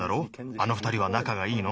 あのふたりはなかがいいの？」。